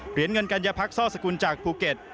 เหรียญเงินกัญญาพักซ่อสกุลจากภูเก็ต